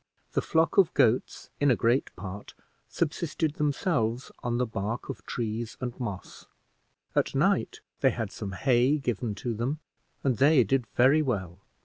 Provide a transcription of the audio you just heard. The flock of goats, in a great part, subsisted themselves on the bark of trees and moss; at night they had some hay given to them, and they did very well.